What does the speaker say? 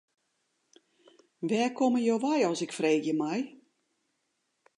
Wêr komme jo wei as ik freegje mei.